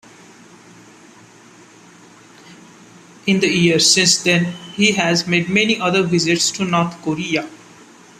In the years since then he has made many other visits to North Korea.